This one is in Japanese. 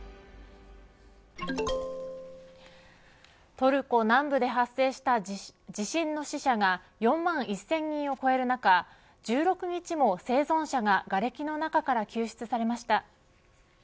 トルコ南部で発生した地震の死者が４万１０００人を超える中１６日も生存者ががれきの中から救出されました。